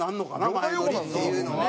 「前乗り」っていうのは。